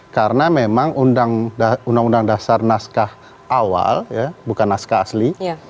karena memang uud naskah awal bukan naskah asli